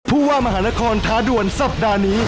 ผู้ว่ามหานครท้าด่วนสัปดาห์นี้